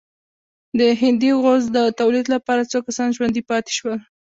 د هندي غوز د تولید لپاره څو کسان ژوندي پاتې شول.